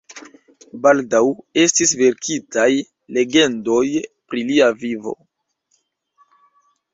Baldaŭ estis verkitaj legendoj pri lia vivo.